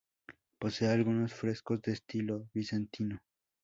Posee algunos frescos de estilo bizantino.